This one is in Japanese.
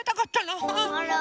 あら。